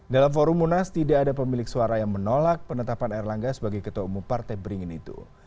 dalam forum munas tidak ada pemilik suara yang menolak penetapan erlangga sebagai ketua umum partai beringin itu